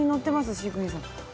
飼育委員さんの。